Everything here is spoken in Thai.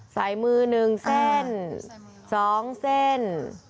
สามเส้น